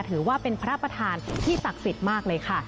ถือว่าเป็นพระประธานที่ศักดิ์สิทธิ์มากเลยค่ะ